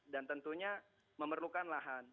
dan tentunya memerlukan lahan